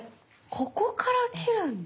ここから切るんだ。